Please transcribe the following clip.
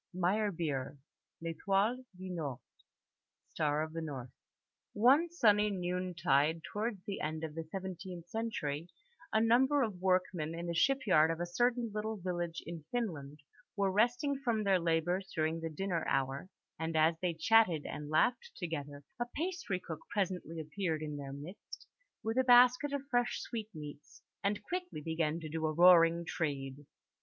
THE STAR OF THE NORTH (L'Etoile du Nord) One sunny noon tide, towards the end of the seventeenth century, a number of workmen in the shipyard of a certain little village in Finland were resting from their labours during the dinner hour; and as they chatted and laughed together a pastry cook presently appeared in their midst with a basket of fresh sweetmeats, and quickly began to do a roaring trade.